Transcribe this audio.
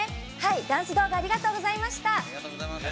ダンス動画ありがとうございました。